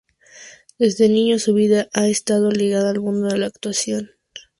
Desde niño su vida ha estado ligada al mundo de la actuación.